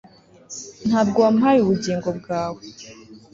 Ntabwo wampaye ubugingo bwawe